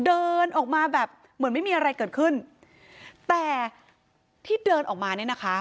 เดินออกมาแบบเหมือนไม่มีอะไรเกิดขึ้นแต่ที่เดินออกมาเนี่ยนะคะ